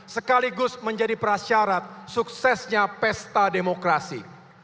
sekaligus menjadi prasyarat suksesnya pesta demokrasi